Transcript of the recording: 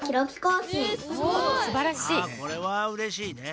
すばらしい。